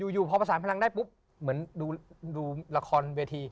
อยู่พอประสานพลังได้ปุ๊บเหมือนดูละครเวที